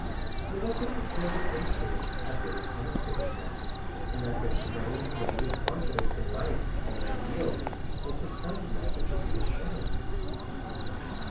Or was it that George's influence had really penetrated him, and that this strange re¬ newed confidence in life and in ideals was his son's message of reassurance